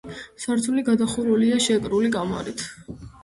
სართული გადახურულია შეკრული კამარით.